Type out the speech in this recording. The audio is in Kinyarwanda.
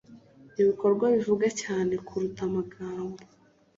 Ibikorwa bivuga cyane kuruta amagambo